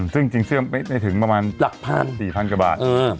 ซึ่งศื่อมไม่ทึงประมาณหลักพันก์กี่พันกะบาท